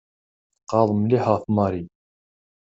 Tfeqɛeḍ mliḥ ɣef Mary.